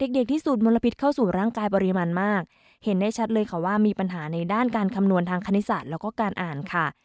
เด็กที่สูดมลพิษเข้าสู่ร่างกายปริมาณมากเห็นได้ชัดเลยค่ะว่ามีปัญหาในด้านการคำนวณทางคณิตศาสตร์แล้วก็การอ่านค่ะ